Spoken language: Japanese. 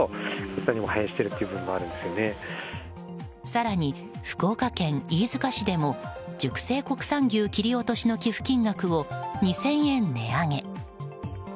更に、福岡県飯塚市でも熟成国産牛切り落としの寄付金額を２０００円値上げ。